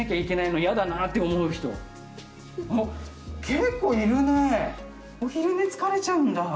結構いるね。お昼寝疲れちゃうんだ。